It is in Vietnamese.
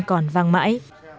còn vang mãi